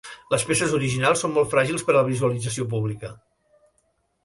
Les peces originals són molt fràgils per a la visualització pública.